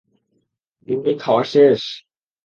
মিম্মি খাওয়া শেষ?